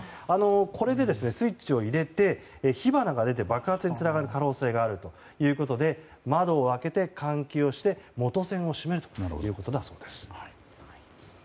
これでスイッチを入れて火花が出て爆発につながる可能性があるということで窓を開けて、換気をして元栓を締めるということだそうです。